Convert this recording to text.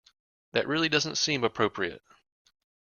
That really doesn't seem appropriate.